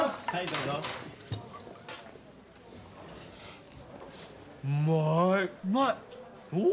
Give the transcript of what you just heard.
うまい！